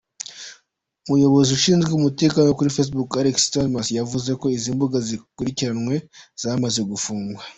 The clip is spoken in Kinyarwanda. Umuyobozi Ushinzwe Umutekano kuri Facebook, Alex Stamos, yavuze ko izi mbuga zikurikiranwe zamaze gufungwa.